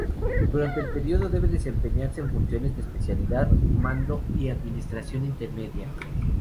Durante el período debe desempeñarse en funciones de especialidad, mando y administración intermedia.